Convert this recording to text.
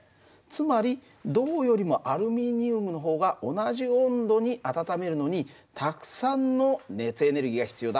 つまり銅よりもアルミニウムの方が同じ温度に温めるのにたくさんの熱エネルギーが必要だという事だね。